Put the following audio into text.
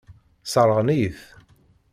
Sseṛɣen-iyi-t.